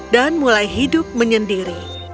dan mulai hidup menyendiri